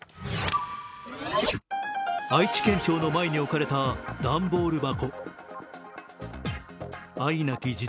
愛知県庁の前に置かれた段ボール箱。